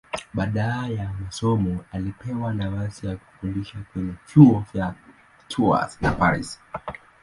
Baada ya masomo alipewa nafasi ya kufundisha kwenye vyuo vya Tours na Paris.